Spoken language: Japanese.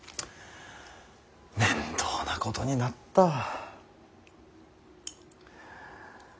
面倒なことになった。